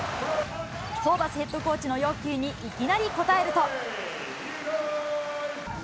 ホーバスヘッドコーチの要求にいきなり応えると。